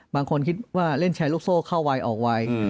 บางคนคิดว่าเล่นแชร์ลูกโซ่เข้าไวออกไว